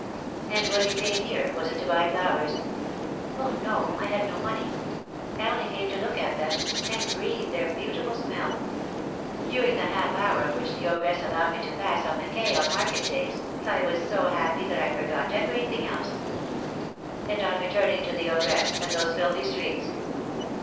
"And when you came here, was it to buy flowers?" "Oh, no, I had no money; I only came to look at them, and breathe their beautiful smell. During the half hour which the ogress allowed me to pass on the quay on market days, I was so happy that I forgot everything else." "And on returning to the ogress, and those filthy streets?"